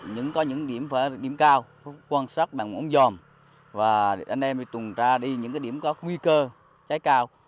những có những điểm cao quan sát bằng ống dòm và anh em tuần tra đi những điểm có nguy cơ cháy cao